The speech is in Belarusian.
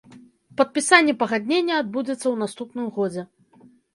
Падпісанне пагаднення адбудзецца ў наступным годзе.